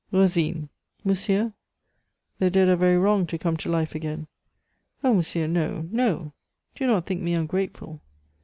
"Rosine." "Monsieur?" "The dead are very wrong to come to life again." "Oh, monsieur, no, no! Do not think me ungrateful.